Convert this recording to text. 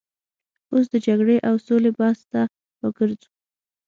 اوس د جګړې او سولې بحث ته راګرځو.